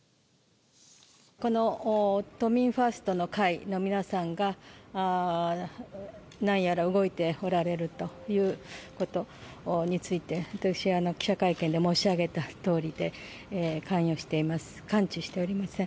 この都民ファーストの会の皆さんが、なんやら動いておられるということについて、私、記者会見で申し上げたとおりで、関与して、関知しておりません。